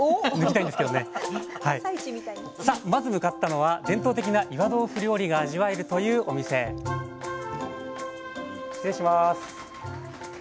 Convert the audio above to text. さあまず向かったのは伝統的な岩豆腐料理が味わえるというお店失礼します。